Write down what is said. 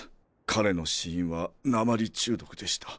彼の死因は鉛中毒でした。